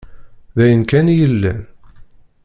D ayen kan i yellan?